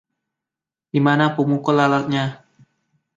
Di mana pemukul lalatnya?